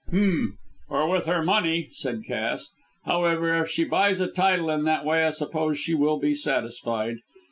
"H'm! or with her money?" said Cass. "However, if she buys a title in that way I suppose she will be satisfied.